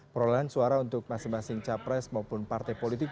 perolehan suara untuk masing masing capres maupun partai politik